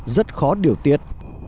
rất khó điều tiết